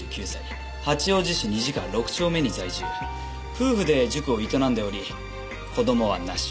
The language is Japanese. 夫婦で塾を営んでおり子供はなし。